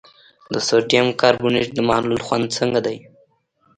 د سوډیم کاربونیټ د محلول خوند څنګه دی؟